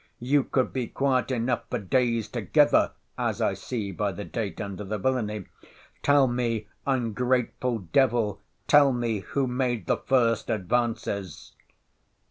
You could be quiet enough for days together, as I see by the date, under the villany. Tell me, ungrateful devil, tell me who made the first advances?